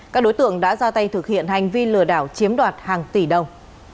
các đối tượng đã ra tay thực hiện hành vi lừa đảo chiếm đoạt hàng tỷ đồng